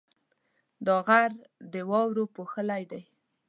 دا غر د واورو پوښلی دی.